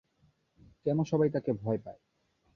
কেন সবাই তাকে ভয় পায়?